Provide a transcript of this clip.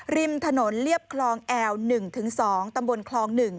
ริมถนนเรียบคลองแอล๑๒ตำบลคลอง๑